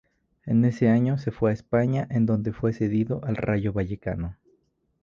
En ese año se fue a España, en donde fue cedido al Rayo Vallecano.